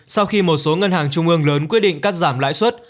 sau khi một số ngân hàng trung ương lớn quyết định cắt giảm lãi suất